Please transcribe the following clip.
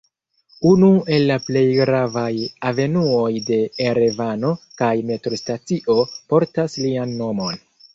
Unu el la plej gravaj avenuoj de Erevano kaj metrostacio portas lian nomon.